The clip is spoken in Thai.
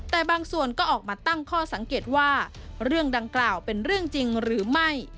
แต่บางส่วนก็ออกมาตั้งข้อสังเกตว่าเรื่องดังกล่าวเป็นเรื่องจริงหรือไม่